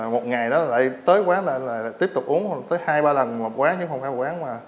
một ngày đó lại tới quán lại tiếp tục uống tới hai ba lần một quán chứ không phải một quán mà